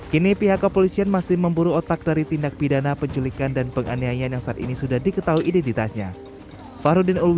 kini pihak kepolisian masih memburu otak dari tindak pidana penculikan dan penganiayaan yang saat ini sudah diketahui identitasnya